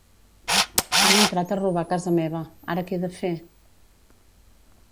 Han entrat a robar a casa meva, ara que he de fer?